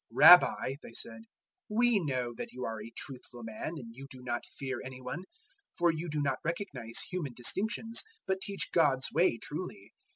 "Rabbi," they said, "we know that you are a truthful man and you do not fear any one; for you do not recognize human distinctions, but teach God's way truly.